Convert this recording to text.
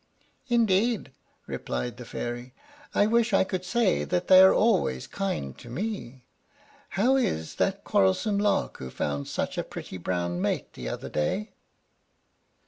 "Indeed!" replied the Fairy. "I wish I could say that they were always kind to me. How is that quarrelsome Lark who found such a pretty brown mate the other day?"